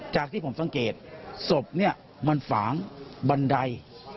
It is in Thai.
จากที่ผมสังเกตสบมันฝางบันได